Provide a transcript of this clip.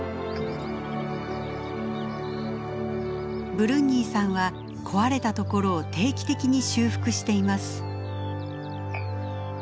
ブルンニーさんは壊れたところを定期的に修復しています。